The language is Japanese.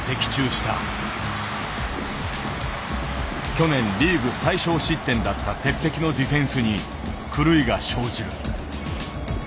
去年リーグ最少失点だった鉄壁のディフェンスに狂いが生じる。